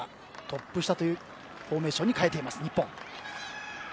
トップ下というフォーメーションに変えた日本。